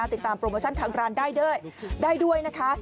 ติดตามโปรโมชั่นทั้งร้านได้ด้วยนะคะ